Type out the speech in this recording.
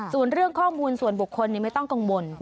ส่วนเรื่องข้อมูลส่วนบุคคลไม่ต้องกังวล